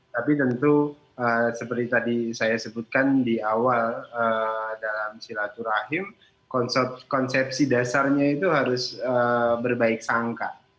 tapi tentu seperti tadi saya sebutkan di awal dalam silaturahim konsepsi dasarnya itu harus berbaik sangka